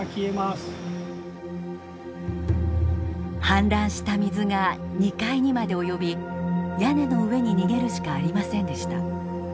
氾濫した水が２階にまで及び屋根の上に逃げるしかありませんでした。